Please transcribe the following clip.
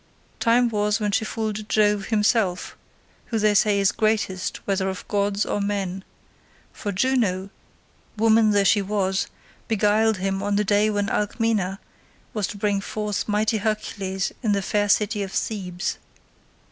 "Time was when she fooled Jove himself, who they say is greatest whether of gods or men; for Juno, woman though she was, beguiled him on the day when Alcmena was to bring forth mighty Hercules in the fair city of Thebes.